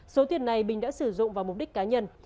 số tiền này bình đã sử dụng vào mục đích cá nhân